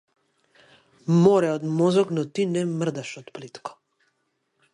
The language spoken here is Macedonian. Море од мозок но ти не мрдаш од плитко.